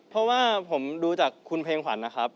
เพราะว่าผมดูจากคุณแพลงขวาน